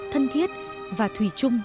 thân thiết và thủy chung